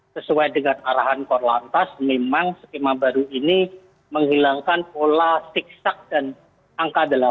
sesuai dengan arahan korlantas memang skema baru ini menghilangkan pola sigsak dan angka delapan